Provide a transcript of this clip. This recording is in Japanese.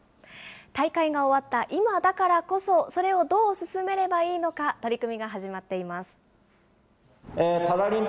大会が終わった今だからこそ、それをどう進めればいいのか取り組